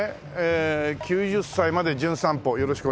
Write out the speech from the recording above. ９０歳まで『じゅん散歩』よろしくお願いします。